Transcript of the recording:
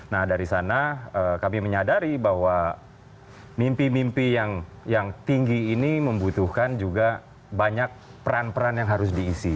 nah dari sana kami menyadari bahwa mimpi mimpi yang tinggi ini membutuhkan juga banyak peran peran yang harus diisi